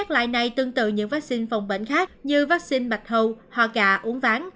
loại này tương tự những vaccine phòng bệnh khác như vaccine mạch hâu hoa gà uống ván